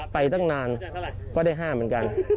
ตั้งนานก็ได้๕เหมือนกัน